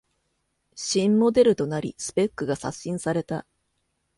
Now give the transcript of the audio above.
新モデルとなりスペックが刷新された